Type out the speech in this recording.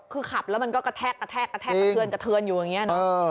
คือขับแล้วมันก็กระแทกกระแทกกระเทือนอยู่อย่างนี้